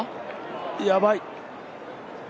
やばい。